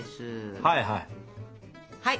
はいはい！